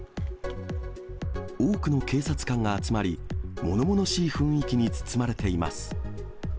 多くの警察官が集まり、ものものしい雰囲気に包まれています。